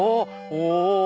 お！